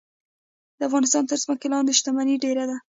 د افغانستان تر ځمکې لاندې شتمني ډیره ده